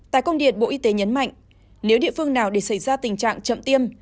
tại công điện bộ y tế nhấn mạnh nếu địa phương nào để xảy ra tình trạng chậm tiêm